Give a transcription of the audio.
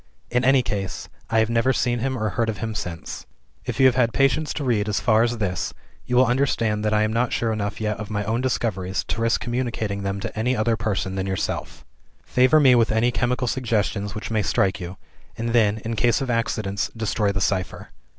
In any case, I have never seen him or heard of him since. "If you have had patience to read as far as this, you will understand that I am not sure enough yet of my own discoveries to risk communicating them to any other person than yourself. Favor me with any chemical suggestions which may strike you and then, in case of accidents, destroy the cipher.